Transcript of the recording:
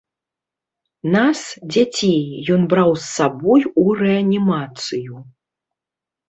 Нас, дзяцей, ён браў з сабой у рэанімацыю.